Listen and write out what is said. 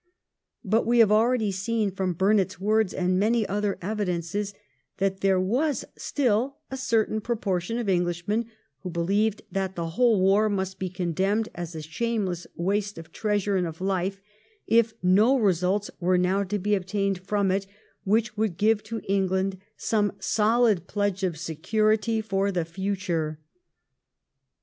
But we have already seen from Burnet's words, and many other evidences, that there was still a certain proportion of Englishmen who believed that the whole war must be condemned as a shameless waste of treasure and of life if no results were now to be obtained from it which would give to England some sohd pledge of security for the future.